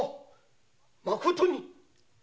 まことに！